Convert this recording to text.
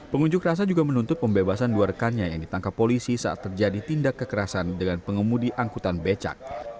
pengunjuk rasa juga menuntut pembebasan dua rekannya yang ditangkap polisi saat terjadi tindak kekerasan dengan pengemudi angkutan becak